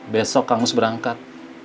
besok kang mus berangkat